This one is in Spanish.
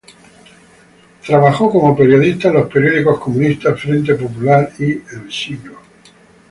Trabajó como periodista en los periódicos comunistas "Frente Popular" y "El Siglo".